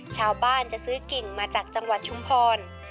ชาวบ้านจะซื้อกิ่งมาจากจังหวัดชุมพร